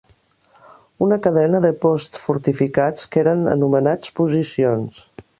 Una cadena de posts fortificats, que eren anomenats «posicions»